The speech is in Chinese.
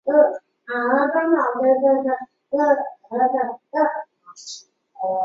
他早年就读东华三院李志雄纪念小学和天主教鸣远中学。